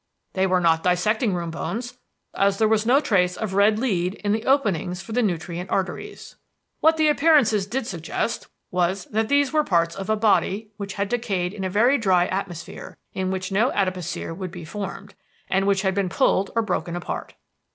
"They were not dissecting room bones, as there was no trace of red lead in the openings for the nutrient arteries. "What the appearances did suggest was that these were parts of a body which had decayed in a very dry atmosphere (in which no adipocere would be formed), and which had been pulled or broken apart.